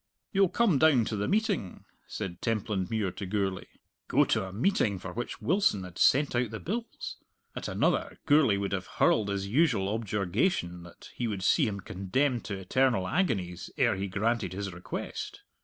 "You'll come down to the meeting?" said Templandmuir to Gourlay. Go to a meeting for which Wilson had sent out the bills! At another, Gourlay would have hurled his usual objurgation that he would see him condemned to eternal agonies ere he granted his request!